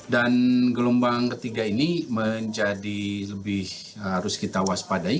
dan gelombang ketiga ini menjadi lebih harus kita waspadai